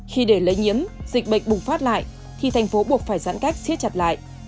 khi để lây nhiễm dịch bệnh bùng phát lại thì thành phố buộc phải giãn cách siết chặt lại